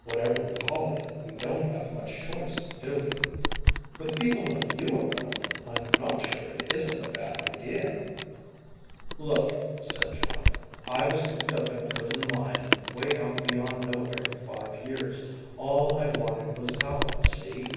"Whatever we call it, we don't have much choice, do we?" "With people like you around, I'm not sure it isn't a bad idea." "Look," said Jon. "I was cooped up in a prison mine way out beyond nowhere for five years. All I wanted was out, see.